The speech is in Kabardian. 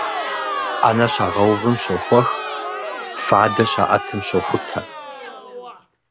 Ӏэнэ щагъэувым щохуэх, фадэ щаӀэтым щохутэ.